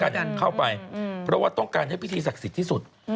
เข้าไปเพราะว่าต้องการให้พิธีศักดิ์สิทธิ์ที่สุด